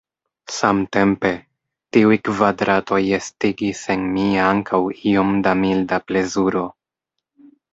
Samtempe, tiuj kvadratoj estigis en mi ankaŭ iom da milda plezuro.